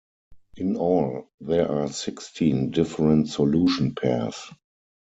In all, there are sixteen different solution pairs.